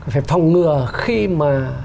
phải phòng ngừa khi mà